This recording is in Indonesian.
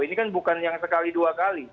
ini kan bukan yang sekali dua kali